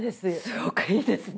すごくいいですね。